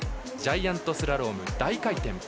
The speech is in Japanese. ジャイアントスラローム、大回転。